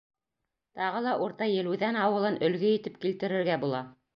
Тағы ла Урта Елүҙән ауылын өлгө итеп килтерергә була.